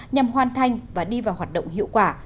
nhằm hoàn thành và đi vào hoạt động hiệu quả